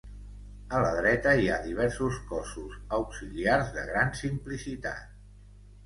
A la dreta hi ha diversos cossos auxiliars de gran simplicitat.